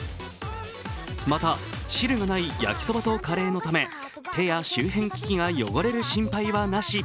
また、汁がない焼きそばとカレーのため、手や周辺機器が汚れる心配はなし。